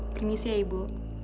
permisi ya ibu